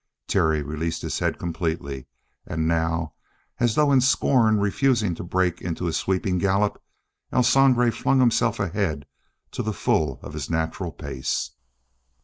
Terry released his head completely, and now, as though in scorn refusing to break into his sweeping gallop, El Sangre flung himself ahead to the full of his natural pace.